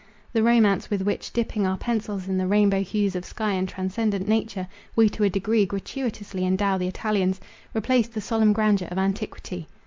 The romance with which, dipping our pencils in the rainbow hues of sky and transcendent nature, we to a degree gratuitously endow the Italians, replaced the solemn grandeur of antiquity.